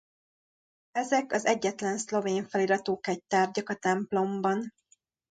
Ezek az egyetlen szlovén feliratú kegytárgyak a templomban.